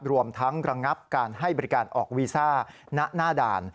รวมทั้งระงับการให้บริการออกวีซ่าณหน้าด่าน